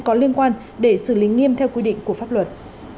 có liên quan để xử lý nghiêm theo quy định của pháp luật